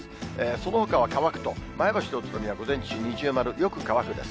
そのほかは乾くと、前橋と、宇都宮、午前中、二重丸、よく乾くです。